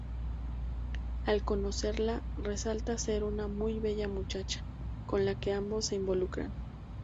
Al conocerla resulta ser una muy bella muchacha, con la que ambos se involucran.